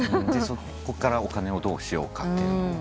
そこからお金をどうしようかっていうのを。